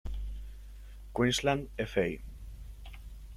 Queensland Fl.